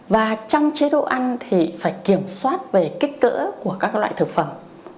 và trong chế độ ăn thì phải kiểm soát về kích cỡ của các loại thực phẩm